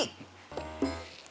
siapa cewek tadi